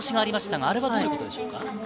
これはどういうことでしょうか？